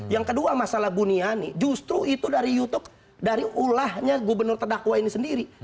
yang kedua masalah buniani justru itu dari youtube dari ulahnya gubernur terdakwa ini sendiri